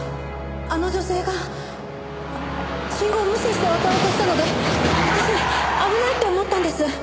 あの女性が信号を無視して渡ろうとしたので私危ないって思ったんです。